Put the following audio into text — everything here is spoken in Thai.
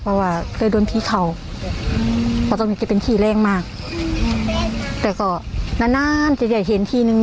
เพราะว่าเคยโดนพี่เขาอืมตรงนี้จะเป็นที่แรงมากอืมแต่ก็นานนานจะได้เห็นที่นึง